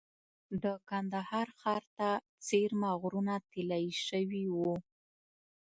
د کندهار ښار ته څېرمه غرونه طلایي شوي وو.